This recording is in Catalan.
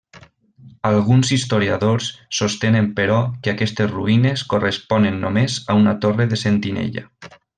Alguns historiadors sostenen però que aquestes ruïnes corresponen només a una torre de sentinella.